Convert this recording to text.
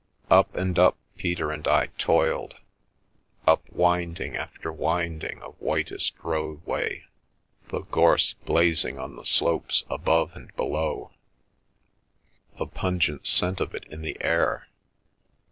Up and up Peter and I toiled, up winding after wind ing of whitest roadway, the gorse blazing on the slopes above and below, the pungent scent of it in the air.